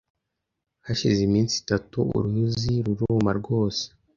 Hashize iminsi itatu uruyuzi ruruma rwose